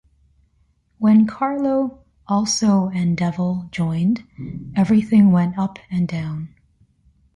When Carlo, also an devil, joined, everything went up and down.